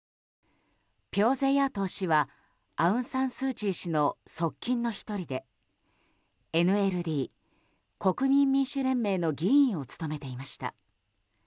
ピョーゼヤートー氏はアウン・サン・スー・チー氏の側近の１人でＮＬＤ・国民民主連盟の議員を務めていました。